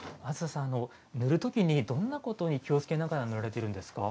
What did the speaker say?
塗るときにどんなことに気をつけながら塗られているんですか？